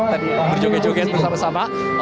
tadi berjoget joget bersama sama